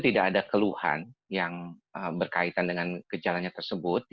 tidak ada keluhan yang berkaitan dengan gejalanya tersebut